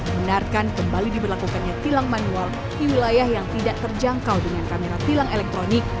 benarkan kembali diberlakukannya tilang manual di wilayah yang tidak terjangkau dengan kamera tilang elektronik